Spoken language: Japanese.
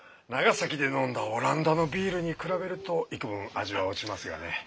長崎で飲んだオランダのビイルに比べると幾分味は落ちますがね。